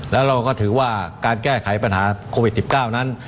แล้วเราก็ถือว่าการแก้ไขปัญหาโควิด๑๙นั้น